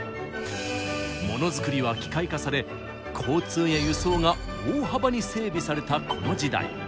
モノづくりは機械化され交通や輸送が大幅に整備されたこの時代。